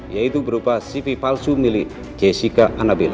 yaitu berupa cv palsu milik jessica annabeli